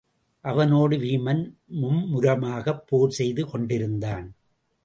அவனோடு வீமன் மும்முரமாகப் போர் செய்து கொண்டிருந்தான்.